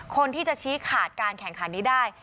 คนที่จะชี้ขาดการแข่งขันนี้ได้